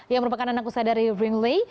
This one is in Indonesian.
yang merupakan anak usaha dari ringley